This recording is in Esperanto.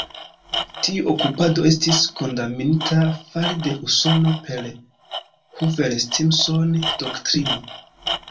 Tiu okupado estis kondamnita fare de Usono per Hoover-Stimson-Doktrino.